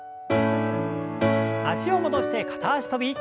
脚を戻して片脚跳び。